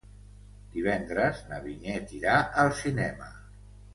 Divendres na Vinyet irà al cinema.